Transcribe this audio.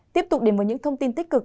tiếp tục đến với những thông tin tích cực